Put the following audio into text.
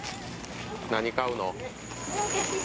何買うの？